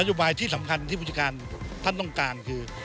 โยบายที่สำคัญที่ผู้จัดการท่านต้องการคือ